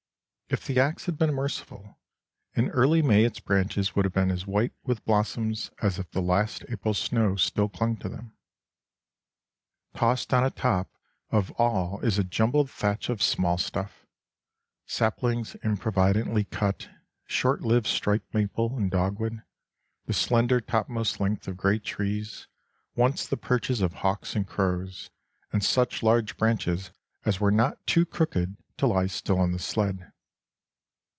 If the axe had been merciful, in early May its branches would have been as white with blossoms as if the last April snow still clung to them. Tossed on a top of all is a jumbled thatch of small stuff, saplings improvidently cut, short lived striped maple, and dogwood, the slender topmost lengths of great trees, once the perches of hawks and crows, and such large branches as were not too crooked to lie still on the sled.